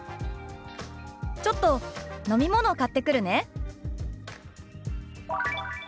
「ちょっと飲み物買ってくるね」。